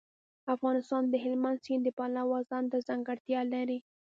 افغانستان د هلمند سیند د پلوه ځانته ځانګړتیا لري.